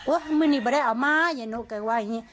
โอ้ยมึงนี่ไม่ได้เอามาอย่าโน๊กแกว่าอย่างนี้